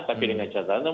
tapi dengan catatan